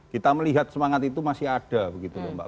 kita melihat semangat itu masih ada begitu loh mbak